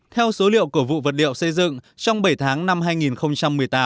theo số liệu của vụ vật liệu xây dựng trong bảy tháng năm hai nghìn một mươi tám